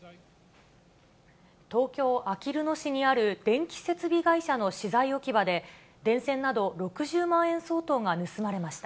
東京・あきる野市にある電気設備会社の資材置き場で、電線など６０万円相当が盗まれました。